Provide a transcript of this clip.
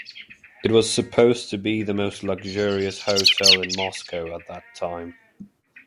It was supposed to be the most luxurious hotel in Moscow at that time.